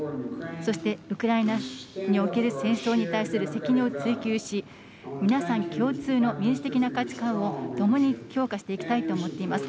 そしてウクライナにおける戦争に対する責任を追及し、皆さん共通の民主的な価値観をともに強化していきたいと思っています。